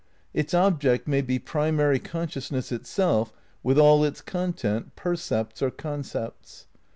Its object may be primary consciousness itself with all its content, percepts or concepts.